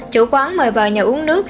chủ quán mời vào nhà uống nước